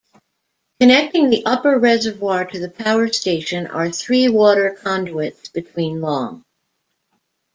Connecting the upper reservoir to the power station are three water conduits between long.